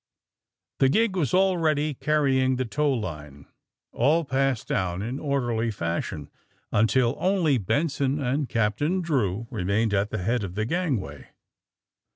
The gig was already carrying the tow line. All passed down in orderly fashion until only Benson and Captain Drew remained at the head of the gangway.